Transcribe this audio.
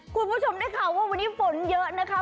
คุณผู้ชมได้ข่าวว่าวันนี้ฝนเยอะนะคะ